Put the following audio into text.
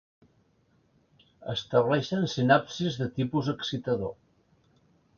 Estableixen sinapsis de tipus excitador.